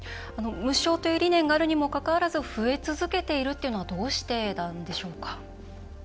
無償という理念があるにもかかわらず増え続けているというのはどうしてなんでしょうか？